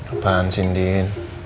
apaan sih ndin